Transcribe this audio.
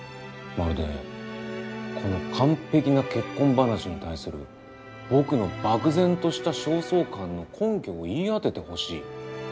まるで「この完璧な結婚話に対する僕の漠然とした焦燥感の根拠を言い当ててほしい」とでも言いたげだな。